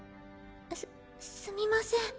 すすみません。